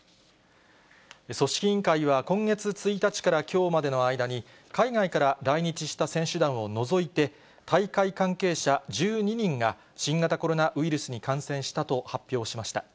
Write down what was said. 組織委員会は今月１日からきょうまでの間に、海外から来日した選手団を除いて、大会関係者１２人が、新型コロナウイルスに感染したと発表しました。